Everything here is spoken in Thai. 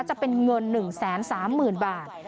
จะเป็นเงิน๑๓๐๐๐บาท